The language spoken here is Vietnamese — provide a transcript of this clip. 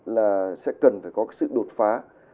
là sẽ cần phải có sự đột phá